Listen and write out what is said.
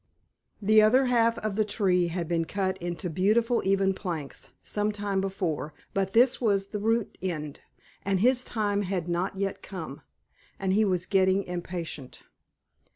The other half of the Tree had been cut into beautiful even planks, some time before, but this was the root end, and his time had not yet come, and he was getting impatient.